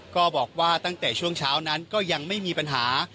ก็บอกว่าตั้งแต่ช่วงเช้านั้นก็ยังไม่มีปัญหา